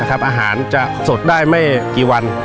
อาหารจะสดได้ไม่กี่วัน